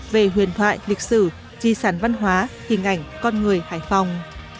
về huyền thoại lịch sử di sản văn hóa hình ảnh con người hải phòng